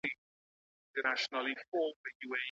د کولرا په وخت کي څه باید وسي؟